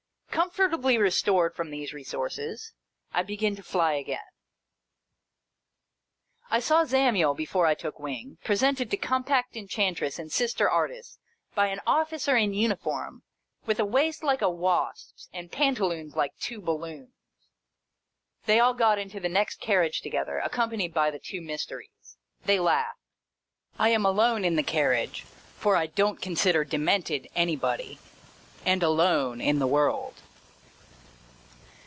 Comfortably restored from these resources, I begin to fly again. 532 HOUSEHOLD WORDS. [Conducted by I saw Zamiel (before I took wing) presented to Compact Enchantress and Sister Artist, by an officer in uniform, with a waist like a wasp's, and pantaloons like two balloons. They all got into the next carriage together, accompanied by the two Mysteries. They laughed. I am alone in the carriage (for I don't consider Demented anybody) and alone in the world.